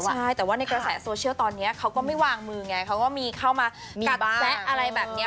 ใช่แต่ว่าในกระแสโซเชียลตอนนี้เขาก็ไม่วางมือไงเขาก็มีเข้ามากัดแซะอะไรแบบนี้